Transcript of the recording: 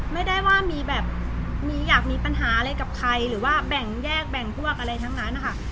ไม่ได้ว่ามีแบบมีอยากมีปัญหาอะไรกับใครหรือว่าแบ่งแยกแบ่งพวกอะไรทั้งนั้นนะคะ